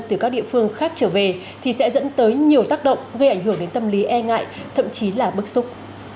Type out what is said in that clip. từ các địa phương khác trở về thì sẽ dẫn tới nhiều tác động gây ảnh hưởng đến tâm lý e ngại thậm chí là bức xúc